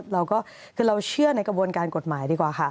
เราก็คือเราเชื่อในกระบวนการกฎหมายดีกว่าค่ะ